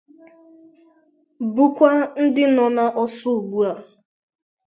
bụkwa ndị nọ n'ọsọ ugbua.